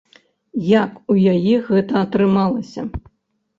Як у яе гэта атрымалася?